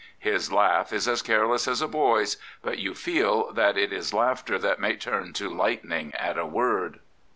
His laugh is as careless as a boy's, 64 The Kaiser but you feel that it is laughter that may turn to lightning at a word.